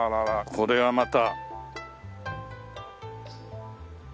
これはまた。